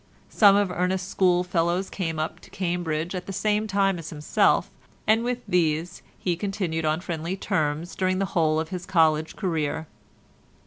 Some of Ernest's schoolfellows came up to Cambridge at the same time as himself, and with these he continued on friendly terms during the whole of his college career.